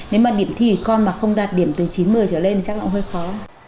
nếu mà điểm thi thì con mà không đạt điểm từ chín một mươi trở lên thì chắc là cũng hơi khó